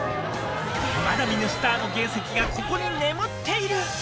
まだ見ぬスターの原石がここに眠っている。